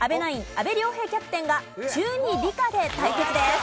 阿部亮平キャプテンが中２理科で対決です。